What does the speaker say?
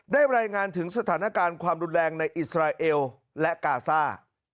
รายงานถึงสถานการณ์ความรุนแรงในอิสราเอลและกาซ่า